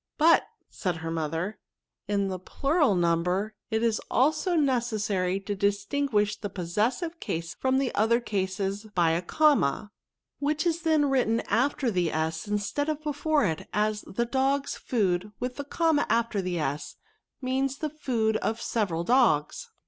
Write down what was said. " But," said her mother, " in the plural number, it k also necessary to distinguish the possessive case from the other cases by a comma; which is then written after the a instead of before it ; as, the dogs' food, with the comma after the s, means the food of several dogs."